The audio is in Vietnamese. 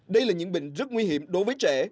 đây là những bệnh rất nguy hiểm đối với trẻ